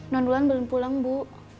nondulan belum pulang bu